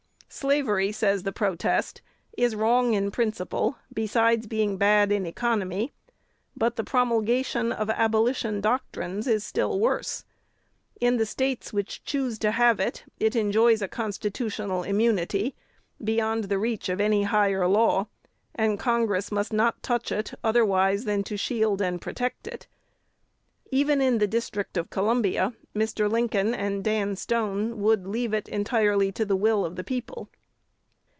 Slavery, says the protest, is wrong in principle, besides being bad in economy; but "the promulgation of abolition doctrines" is still worse. In the States which choose to have it, it enjoys a constitutional immunity beyond the reach of any "higher law;" and Congress must not touch it, otherwise than to shield and protect it. Even in the District of Columbia, Mr. Lincoln and Dan Stone would leave it entirely to the will of the people.